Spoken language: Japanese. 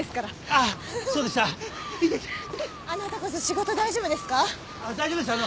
あなたこそ仕事大丈夫ですか？